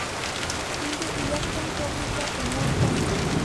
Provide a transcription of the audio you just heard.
কিন্তু ইলেকট্রন প্রকৃত অর্থেই মূল কণিকা।